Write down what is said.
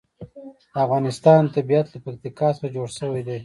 د افغانستان طبیعت له پکتیکا څخه جوړ شوی دی.